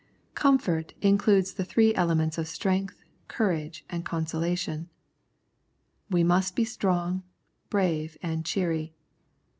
" Comfort " includes the three elements of strength, courage, and consolation. We must be strong, brave, and cheery.